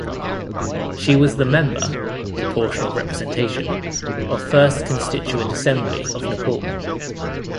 She was the member (Proportional Representation) of First Constituent Assembly of Nepal.